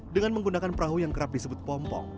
dengan menggunakan perahu yang kerap disebut pompong